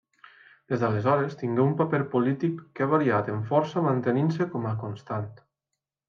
Des d'aleshores tingué un paper polític que ha variat en força mantenint-se com a constant.